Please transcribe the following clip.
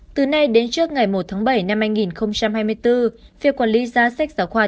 từ nay đến trước ngày một bảy hai nghìn hai mươi bốn việc quản lý giá sách giáo khoa